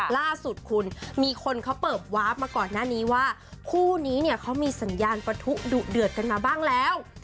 ล่าสุดคุณมีคนเขาเปิดวาร์ฟมาก่อนหน้านี้ว่าคู่นี้เนี่ยเขามีสัญญาณปะทุดุเดือดกันมาบ้างแล้ว